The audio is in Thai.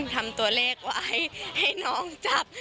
ทำตัวเลขไว้ให้น้องจับ